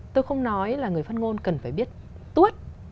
tôi không nói là người phát ngôn cần phải biết tốt